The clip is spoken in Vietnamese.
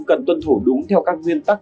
cần tuân thủ đúng theo các nguyên tắc